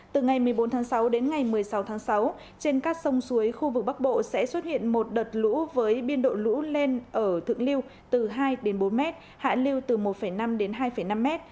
từ ngày một mươi bốn tháng sáu đến ngày một mươi sáu tháng sáu trên các sông suối khu vực bắc bộ sẽ xuất hiện một đợt lũ với biên độ lũ lên ở thượng liêu từ hai đến bốn m hạ lưu từ một năm đến hai năm m